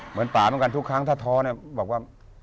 เหมือนป่าเหมือนกันทุกครั้งถ้าท้อเนี่ยบอกว่า